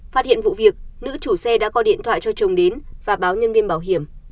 phát hiện vụ việc nữ chủ xe đã gọi điện thoại cho chồng đến và báo nhân viên bảo hiểm